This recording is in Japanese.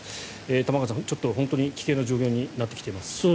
玉川さん、本当に危険な状況になってきています。